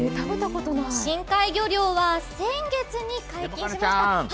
深海魚漁は先月に解禁しました。